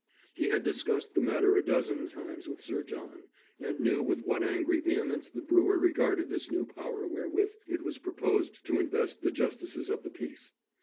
He had discussed the matter a dozen times with Sir John, and knew with what angry vehemence the brewer regarded this new power wherewith it was proposed to invest the Justices of the Peace.